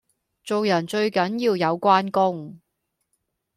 做人最緊要有關公